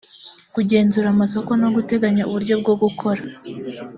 kugenzura amasoko no guteganya uburyo bwo gukora